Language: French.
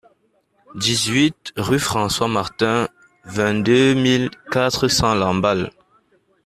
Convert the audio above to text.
dix-huit rue Francois Martin, vingt-deux mille quatre cents Lamballe